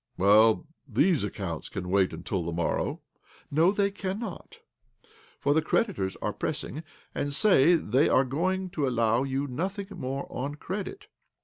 " Well, these accounts can wait until the morrow." " No, they cannot, for the creditors are pressing, and say they are going to allow you nothing more on credit.